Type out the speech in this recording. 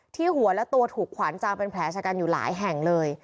หัวและตัวถูกขวานจางเป็นแผลชะกันอยู่หลายแห่งเลย